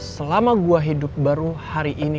selama gue hidup baru hari ini gue dipermaluin dia